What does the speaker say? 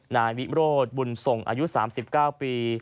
นายวิโรธบุญส่งอายุ๓๙ปี